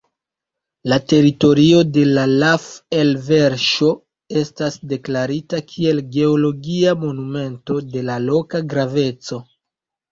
La teritorio de la laf-elverŝo estas deklarita kiel geologia monumento de la loka graveco.